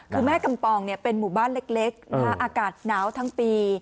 คือแม่กำปองเป็นหมู่บ้านเล็กอากาศหนาวทั้งปี